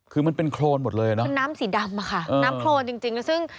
คือมันเป็นโครนหมดเลยเนอะน้ำสีดำค่ะอืมน้ำโครนจริงจริงซึ่ง